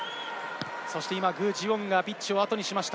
今、具智元がピッチをあとにしました。